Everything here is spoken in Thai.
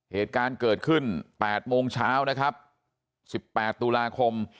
เหตุการณ์เกิดขึ้น๘โมงเช้านะครับ๑๘ตุลาคม